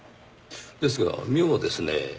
ですが妙ですねぇ。